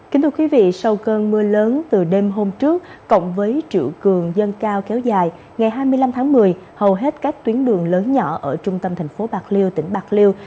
kính thưa quý vị sau cơn mưa lớn từ đêm hôm trước cộng với triệu cường dân cao kéo dài ngày hai mươi năm tháng một mươi hầu hết các tuyến đường lớn nhỏ ở trung tâm thành phố bạc liêu tỉnh bạc liêu